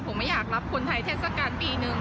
ผมไม่อยากรับคนไทยเทศกาลปีนึง